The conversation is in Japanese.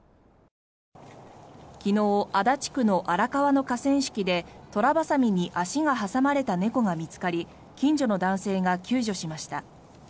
昨日、足立区の荒川の河川敷でトラバサミに足が挟まれた猫が見つかり近所の男性が救助しました。